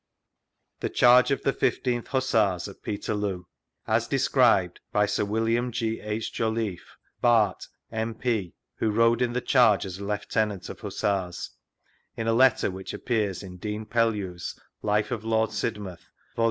vGoogIc The Charge of the isth Hussars at Peterloo Bi dittriittt iy Sir WILLIAM G. H. JOLLIFFE, Bart., M.P. (wbo rode in the charge as a Lieutenant of Hussars) in a letter which appears in Dean Pellew's /J/a of Lord Sidmouth, Vol.